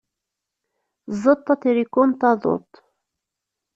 Tzeṭṭ atriku n taduṭ.